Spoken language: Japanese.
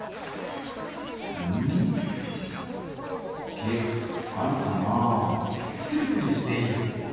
毛あるかな？